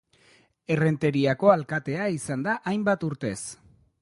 Errenteriako alkatea izan da hainbat urtez.